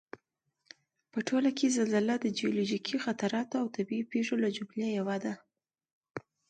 په ټوله کې زلزله د جیولوجیکي خطراتو او طبعي پېښو له جملې یوه ده